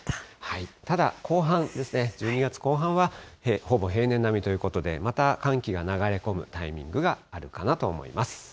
ただ、後半ですね、１２月後半はほぼ平年並みということで、また寒気が流れ込むタイミングがあるかなと思います。